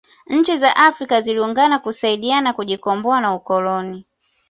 nchi za afrika ziliungana kusaidiana kujikomboa na ukoloni